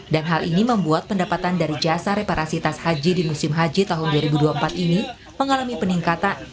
dan hal ini membuat pendapatan dari jasa reparasi tas haji di musim haji tahun dua ribu dua puluh empat ini mengalami peningkatan